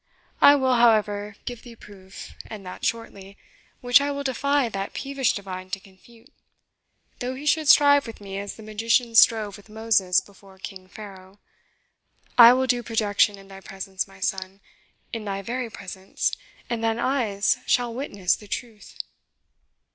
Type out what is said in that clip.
I will, however, give thee proof, and that shortly, which I will defy that peevish divine to confute, though he should strive with me as the magicians strove with Moses before King Pharaoh. I will do projection in thy presence, my son, in thy very presence and thine eyes shall witness the truth."